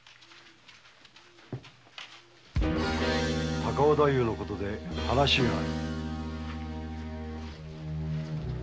高尾太夫の事で話がある。